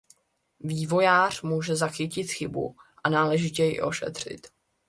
Vývojář může zachytit chybu a náležitě ji ošetřit.